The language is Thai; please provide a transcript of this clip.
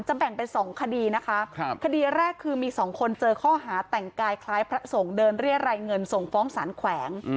แบ่งเป็น๒คดีนะคะคดีแรกคือมีสองคนเจอข้อหาแต่งกายคล้ายพระสงฆ์เดินเรียรายเงินส่งฟ้องสารแขวง